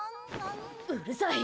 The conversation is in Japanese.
うるさい。